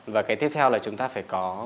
và cái tiếp theo là chúng ta phải có